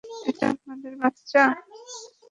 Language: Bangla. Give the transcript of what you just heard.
এটা আপনাদের বাচ্চা।